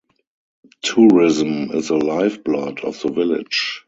Tourism is the lifeblood of the village.